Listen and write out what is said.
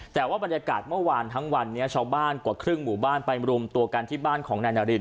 แต่ว่าบรรยากาศเมื่อวานทั้งวันนี้ชาวบ้านกว่าครึ่งหมู่บ้านไปรวมตัวกันที่บ้านของนายนาริน